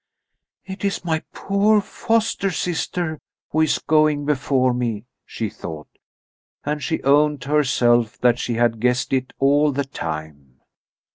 "It is my poor foster sister who is going before me," she thought; and she owned to herself that she had guessed it all the time.